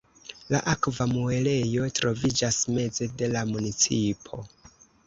La akva muelejo troviĝas meze de la municipo.